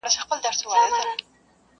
سو بېهوښه هغه دم يې زکندن سو٫